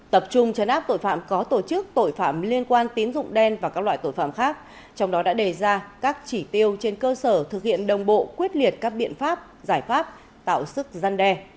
tập trung chấn áp tội phạm có tổ chức tội phạm liên quan tín dụng đen và các loại tội phạm khác trong đó đã đề ra các chỉ tiêu trên cơ sở thực hiện đồng bộ quyết liệt các biện pháp giải pháp tạo sức gian đe